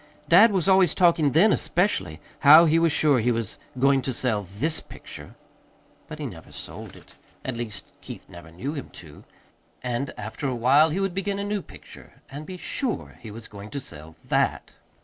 Dad was always talking then, especially, how he was sure he was going to sell THIS picture. But he never sold it. At least, Keith never knew him to. And after a while he would begin a new picture, and be SURE he was going to sell THAT.